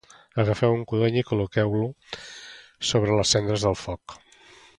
Agafeu un codony i col·loqueu-lo sobre les cendres del foc